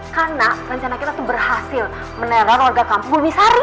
karena rencana kita tuh berhasil menerang warga kampung bumisari